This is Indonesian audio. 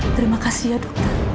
terima kasih ya dok